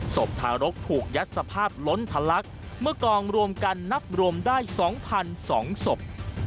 ศพทารกถูกยัดสภาพล้นทะลักเมื่อกองรวมกันนับรวมได้๒๒ศพ